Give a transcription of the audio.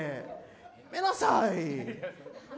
やめなさい！